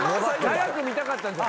・長く見たかったんじゃ？